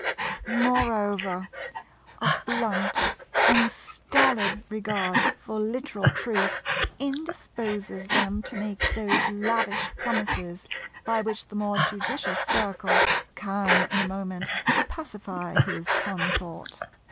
Moreover a blunt and stolid regard for literal truth indisposes them to make those lavish promises by which the more judicious Circle can in a moment pacify his consort.